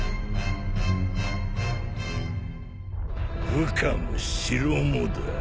部下も城もだ。